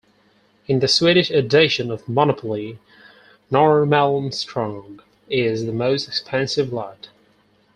In the Swedish edition of "Monopoly", Norrmalmstorg is the most expensive lot.